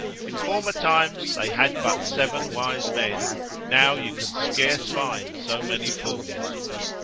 In former times they had but seven wise men, now you can scarce find so many fools.